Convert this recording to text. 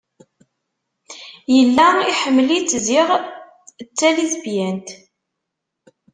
Yella iḥemmel-itt ziɣ d talisbyant.